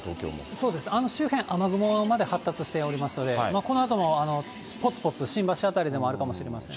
そうですね、あの周辺、雨雲が発達しておりますので、このあともぽつぽつ新橋辺りでもあるかもしれません。